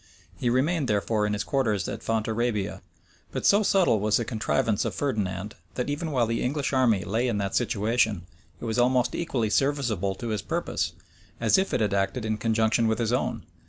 He remained therefore in his quarters at Fontarabia; but so subtle was the contrivance of Ferdinand, that even while the English army lay in that situation, it was almost equally serviceable to his purpose, as if it had acted in conjunction with his own.